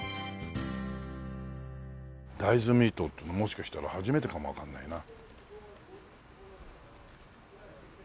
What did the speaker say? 大豆ミートっていうのもしかしたら初めてかもわかんないな。